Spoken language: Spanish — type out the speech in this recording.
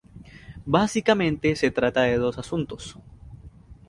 Básicamente se trata de dos asuntos.